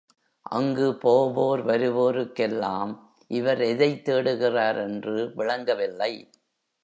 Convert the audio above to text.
அங்கு போவோர் வருவோருக்கெல்லாம் இவர் எதைத் தேடுகிறார் என்று விளங்கவில்லை.